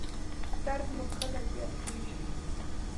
درد مو کله زیاتیږي؟